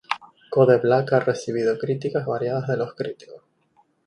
Code Black ha recibido críticas variadas de los críticos.